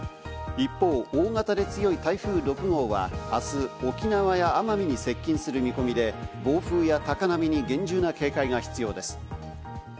一方、大型で強い台風６号は、あす沖縄や奄美に接近する見込みで、暴風や高波に厳重な警戒が必要です。